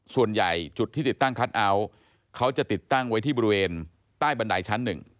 ส่วนใหญ่จุดที่ติดตั้งคัทเอาท์เขาจะติดตั้งไว้ที่บริเวณใต้บันไดชั้น๑